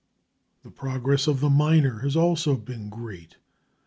The progress of the miner has also been great.